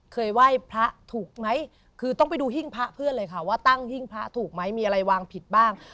เคยไหว้พระถูกไหมคือต้องไปดูหิ้งพระเพื่อนเลยค่ะว่าตั้งหิ้งพระถูกไหมมีอะไรวางผิดบ้าง